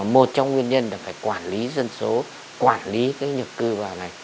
một trong nguyên nhân là phải quản lý dân số quản lý cái nhập cư vào này